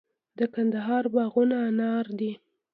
د کندهار باغونه انار دي